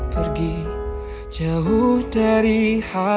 terima kasih ya